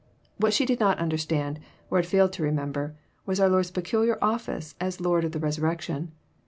What she did not understand, or had failed to remember, was our Lord's peculiar ofQce as Lord of the resurrection.